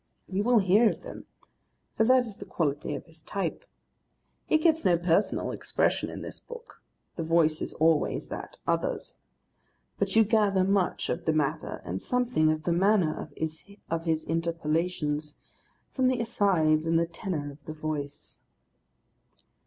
You will hear of them, for that is the quality of his type. He gets no personal expression in this book, the Voice is always that other's, but you gather much of the matter and something of the manner of his interpolations from the asides and the tenour of the Voice.